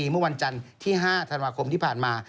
เมื่อวันจันทร์ที่๕ธันวาคมที่ผ่านมา